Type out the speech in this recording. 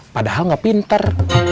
padahal gak pinter